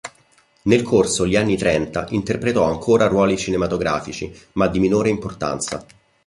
Nel corso gli anni trenta interpretò ancora ruoli cinematografici, ma di minore importanza.